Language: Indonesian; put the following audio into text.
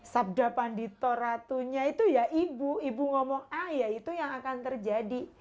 sabda panditoratunya itu ya ibu ibu ngomong ayah itu yang akan terjadi